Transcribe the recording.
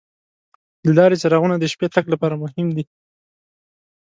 د لارې څراغونه د شپې تګ لپاره مهم دي.